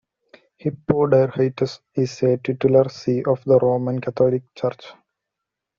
Hippo Diarrhytus is a titular see of the Roman Catholic Church.